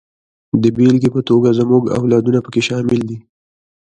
د بېلګې په توګه زموږ اولادونه پکې شامل دي.